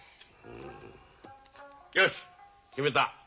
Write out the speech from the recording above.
よし決めた。